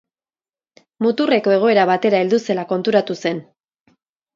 Muturreko egoera batera heldu zela konturatu zen.